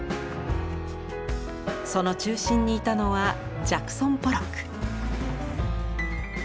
その中心にいたのはジャクソン・ポロック。